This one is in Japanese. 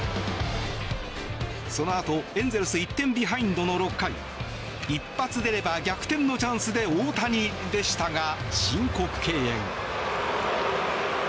その後、エンゼルス１点ビハインドの６回一発出れば逆転のチャンスで大谷でしたが申告敬遠。